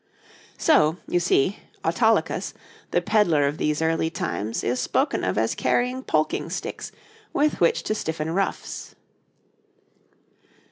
So, you see, Autolycus, the pedlar of these early times, is spoken of as carrying polking sticks with which to stiffen ruffs.